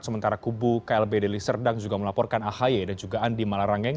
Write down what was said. sementara kubu klb deli serdang juga melaporkan ahy dan juga andi malarangeng